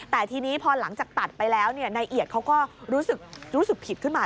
แต่ทีนี้พอหลังจากตัดไปแล้วนายเอียดเขาก็รู้สึกผิดขึ้นมา